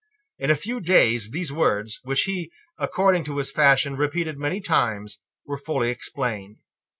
In a few days these words, which he, according to his fashion, repeated many times, were fully explained.